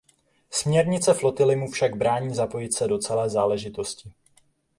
Směrnice Flotily mu však brání zapojit se do celé záležitosti.